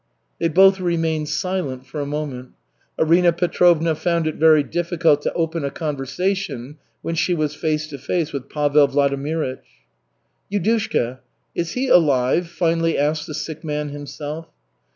They both remained silent for a moment. Arina Petrovna found it very difficult to open a conversation when she was face to face with Pavel Vladimirych. "Yudushka is he alive?" finally asked the sick man himself.